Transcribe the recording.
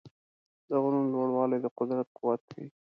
د غرونو لوړوالي د قدرت قوت ښيي.